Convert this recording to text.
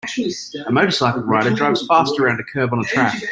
A motorcycle rider drives fast around a curve on a track.